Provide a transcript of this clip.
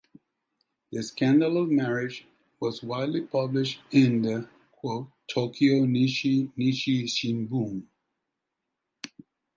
The scandalous marriage was widely published in the "Tokyo Nichi Nichi Shimbun".